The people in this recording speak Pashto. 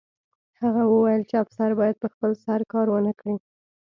هغه وویل چې افسر باید په خپل سر کار ونه کړي